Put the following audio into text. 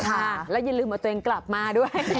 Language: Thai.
ค่ะแล้วอย่าลืมเอาตัวเองกลับมาด้วย